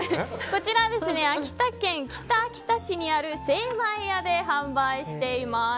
こちら、秋田県北秋田市にある精まい家で販売しています。